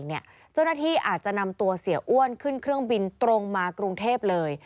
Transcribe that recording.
เจ้าหน้าที่อาจจะนำตัวเสียอ้วนขึ้นเครื่องบินตรงมากรุงเทพเลย